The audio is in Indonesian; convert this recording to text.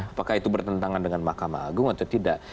apakah itu bertentangan dengan mahkamah agung atau tidak